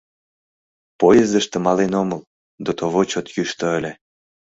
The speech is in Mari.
Поездыште мален омыл — дотово чот йӱштӧ ыле.